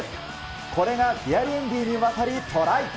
これがディアリエンディに渡り、トライ。